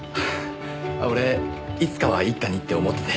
俺いつかは一課にって思ってて。